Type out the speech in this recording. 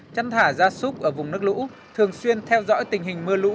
chăn thả ra súc ở vùng nước lũ thường xuyên theo dõi tình hình mưa lũ